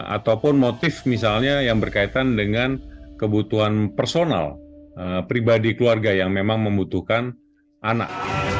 ataupun motif misalnya yang berkaitan dengan kebutuhan personal pribadi keluarga yang memang membutuhkan anak